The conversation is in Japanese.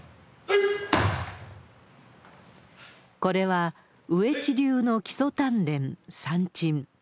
これは、上地流の基礎鍛錬、さんちん。